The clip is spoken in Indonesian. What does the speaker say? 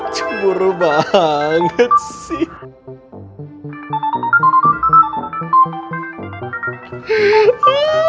cemburu banget sih